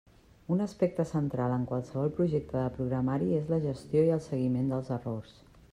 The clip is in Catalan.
Un aspecte central en qualsevol projecte de programari és la gestió i el seguiment dels errors.